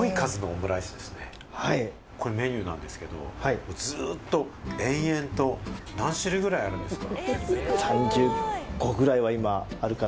これメニューなんですけれども、ずっと延々と、何種類ぐらいあるんですか？